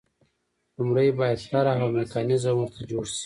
لومړی باید طرح او میکانیزم ورته جوړ شي.